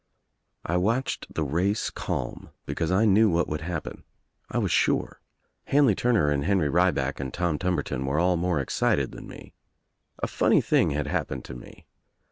I watched the race calm because I knew what would happen. I was sure. Hanley Turner and Henry Rle baek and Tom Tumberton were all more excited than A funny thing had happened to me.